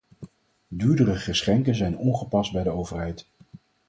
Duurdere geschenken zijn ongepast bij de overheid.